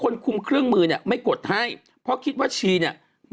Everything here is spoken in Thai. คุมเครื่องมือเนี่ยไม่กดให้เพราะคิดว่าชีเนี่ย